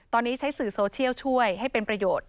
ตอนนี้ใช้สื่อโซเชียลช่วยให้เป็นประโยชน์